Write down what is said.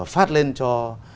phát lên cho